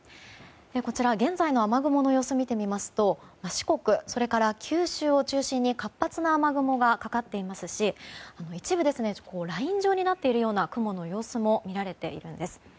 こちら、現在の雨雲の様子を見てみますと四国、それから九州を中心に活発な雨雲がかかっていますし一部でライン状になっている雲の様子も見られているんです。